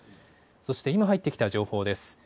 そして今入ってきた情報です。